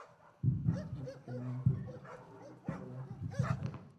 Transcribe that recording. Es principalmente arborícola.